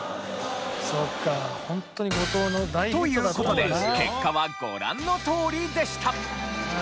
そっか。という事で結果はご覧のとおりでした。